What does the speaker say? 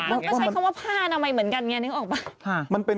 มันก็ใช้คำว่าผ้าอนามัยเหมือนกันไงนึกออกป่ะ